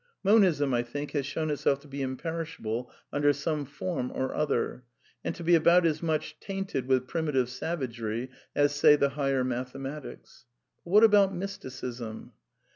Monism, I think, has shown itself to be imperishable under some form or other, and to be about as much tainted with primitive savagery as, say, the higher mathematics. But what about Mysticism